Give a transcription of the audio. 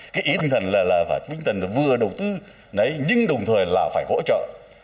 cái ý của vinh thần là vinh thần vừa đầu tư nhưng đồng thời là phải hỗ trợ